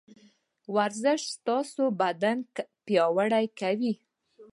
ورزش ستاسو بدن پياوړی کوي.